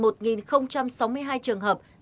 một sáu mươi hai trường hợp